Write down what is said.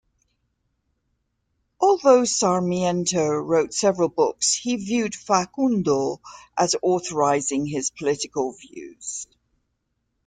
Although Sarmiento wrote several books, he viewed "Facundo" as authorizing his political views.